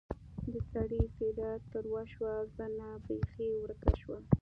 د سړي څېره تروه شوه زنه بېخي ورکه شوه.